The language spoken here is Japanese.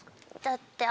だって。